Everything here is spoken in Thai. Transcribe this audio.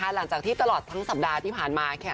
หลังจากที่ตลอดทั้งสัปดาห์ที่ผ่านมา